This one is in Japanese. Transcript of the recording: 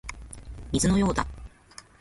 水のようだ